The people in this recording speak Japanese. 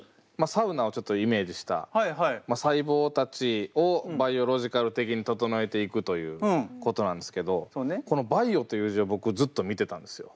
サウナをちょっとイメージした細胞たちをバイオロジカル的に整えていくということなんですけどこの「バイオ」という字を僕ずっと見てたんですよ。